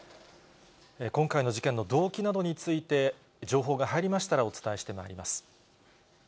今回の事件の動機などについて、情報が入りましたらお伝えしてまいります。